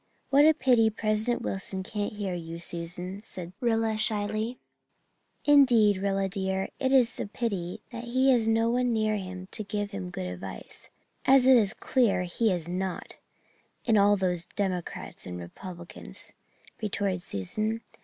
"What a pity President Wilson can't hear you, Susan," said Rilla slyly. "Indeed, Rilla dear, it is a pity that he has no one near him to give him good advice, as it is clear he has not, in all those Democrats and Republicans," retorted Susan.